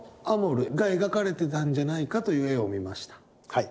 はい。